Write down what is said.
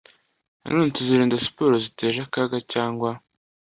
Nanone tuzirinda siporo ziteje akaga cyangwa